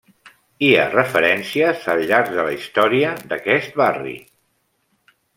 Hi ha referències al llarg de la història d'aquest barri.